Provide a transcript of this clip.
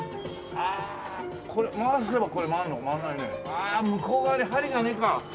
ああ向こう側に針がねえか。